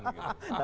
nambah deh ya